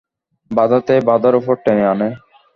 বাধাতেই বাধার উপর টেনে আনে।